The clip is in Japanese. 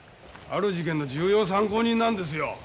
ある事件の重要参考人なんですよ。